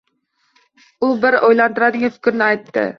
U bir oʻylantiradigan fikrni aytdi.